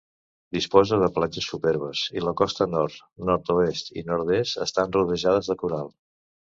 Disposa de platges superbes i la costa nord, nord-oest i nord-est estan rodejades de coral.